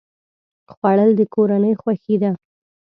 خوړل د کورنۍ خوښي ده